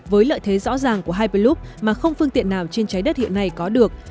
với lợi thế rõ ràng của hyperloop mà không phương tiện nào trên trái đất hiện nay có được